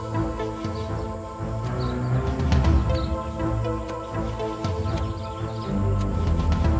terima kasih si penampilan